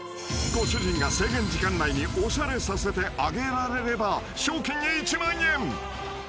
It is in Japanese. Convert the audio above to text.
［ご主人が制限時間内におしゃれさせてあげられれば賞金１万円］